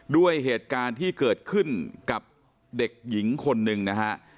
ด้วยเหตุการณ์ที่เกิดขึ้นกับเด็กหญิงคนหนึ่งนะฮะ